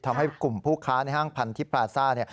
ทำให้กลุ่มผู้ค้าในห้างพันธิพราซ่าเนี่ย